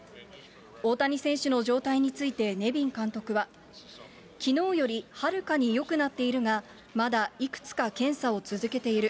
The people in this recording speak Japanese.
大谷選手の状態についてネビン監督は、きのうよりはるかによくなっているが、まだいくつか検査を続けている。